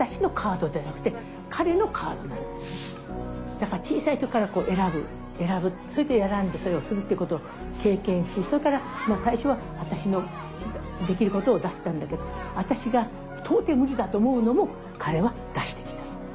だから小さい時から選ぶそして選んでそれをするっていうことを経験しそれからまあ最初は私のできることを出したんだけど私が到底無理だと思うのも彼は出してきた。